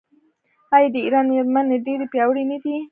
آیا د ایران میرمنې ډیرې پیاوړې نه دي؟